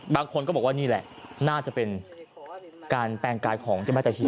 บางคนก็บอกว่านี่แหละน่าจะเป็นการแปลงกายของเจ้าแม่ตะเคีย